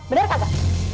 bener pak gak